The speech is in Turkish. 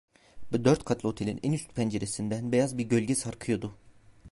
Dört katlı otelin en üst penceresinden beyaz bir gölge sarkıyordu.